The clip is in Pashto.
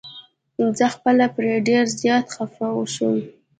زه خپله پرې ډير زيات خفه شوم.